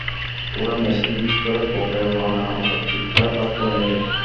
ওরা মেশিন বিক্রি করে বকেয়া পাওনা আনুপাতিক হারে ভাগ করে নেবে।